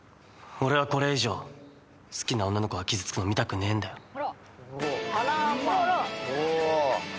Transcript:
俺はこれ以上好きな女の子が傷つくの見たくねえんだよ。